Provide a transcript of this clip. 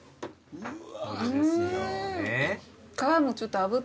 うわ！